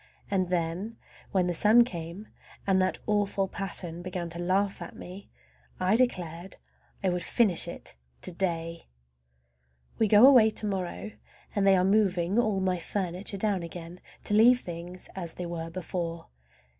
And then when the sun came and that awful pattern began to laugh at me I declared I would finish it to day! We go away to morrow, and they are moving all my furniture down again to leave things as they were before.